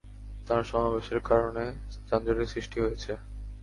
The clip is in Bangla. তার সমাবেশের কারণে যানজটের সৃষ্টি হয়েছে।